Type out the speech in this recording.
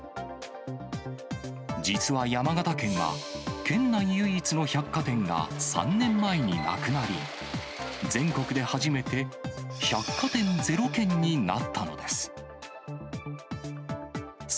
実は山形県は、県内唯一の百貨店が３年前になくなり、全国で初めて百貨店ゼロ県になったのです。